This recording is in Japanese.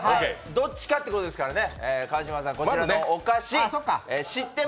どっちかということですからね。